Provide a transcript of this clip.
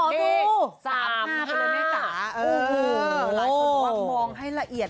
แล้วหลายคนมองให้ละเอียด